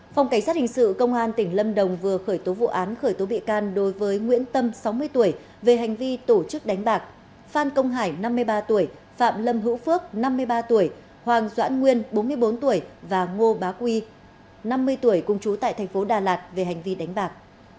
phòng cảnh sát hình sự công an tỉnh lâm đồng vừa khởi tố vụ án khởi tố bị can đối với nguyễn tâm sáu mươi tuổi về hành vi tổ chức đánh bạc phan công hải năm mươi ba tuổi phạm lâm hữu phước năm mươi ba tuổi hoàng doãn nguyên bốn mươi bốn tuổi và ngô bá quy năm mươi tuổi cùng chú tại thành phố đà lạt về hành vi đánh bạc